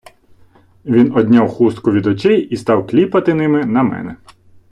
Він одняв хустку від очей і став кліпати ними на мене.